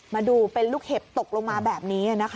มาดูเป็นลูกเห็บตกลงมาแบบนี้นะคะ